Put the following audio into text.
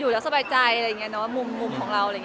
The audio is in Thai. อยู่อยากสบายใจมุมของเรา